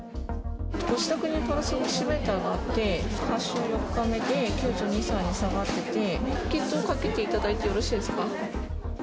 ご自宅にパルスオキシメーターがあって、発症４日目で９２．３％に下がってて、検討かけていただいてよろしいですか？